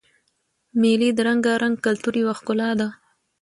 مېلې د رنګارنګ کلتور یوه ښکلا ده.